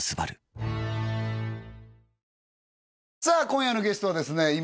さあ今夜のゲストはですね